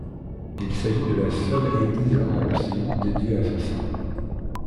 Il s'agit de la seule église en Roussillon dédiée à ce saint.